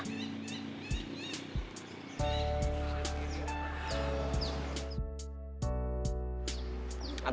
aku juga ingin berdoa sama papa kamu